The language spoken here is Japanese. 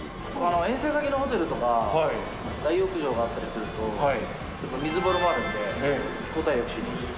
遠征先のホテルとか大浴場があったりすると、やっぱり水風呂もあるんで、交代浴しに。